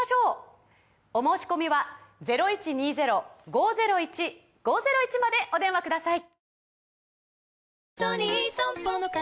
お申込みはお電話ください